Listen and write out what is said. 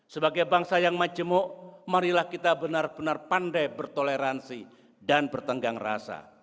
sebagai bangsa yang majemuk marilah kita benar benar pandai bertoleransi dan bertenggang rasa